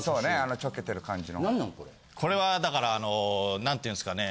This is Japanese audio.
これはだからあの何て言うんすかね。